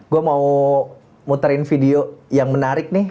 gue mau muterin video yang menarik nih